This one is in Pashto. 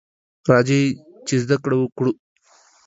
راځئ ! چې زده کړې وکړو.